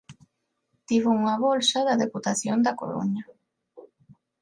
Tivo unha bolsa da Deputación da Coruña.